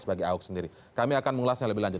sebagai ahok sendiri kami akan mengulasnya lebih lanjut